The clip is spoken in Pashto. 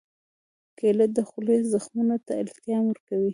کېله د خولې زخمونو ته التیام ورکوي.